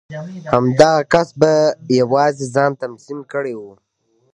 همدغه کس په يوازې ځان تنظيم کړی و.